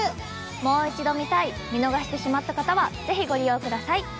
もう一度見たい見逃してしまった方はぜひご利用ください。